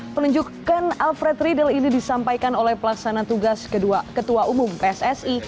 penunjukan alfred riedel ini disampaikan oleh pelaksana tugas ketua umum pssi